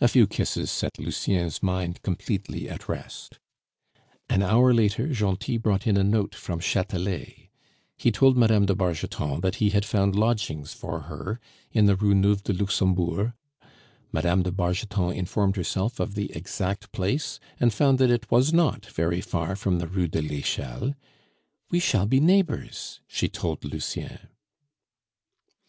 A few kisses set Lucien's mind completely at rest. An hour later Gentil brought in a note from Chatelet. He told Mme. de Bargeton that he had found lodgings for her in the Rue Nueve de Luxembourg. Mme. de Bargeton informed herself of the exact place, and found that it was not very far from the Rue de l'Echelle. "We shall be neighbors," she told Lucien.